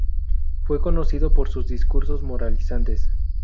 Fue conocido por sus discursos moralizantes.